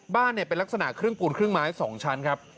บ้านเป็นลักษณะเครื่องปูนเครื่องไม้๒ชั้นครับ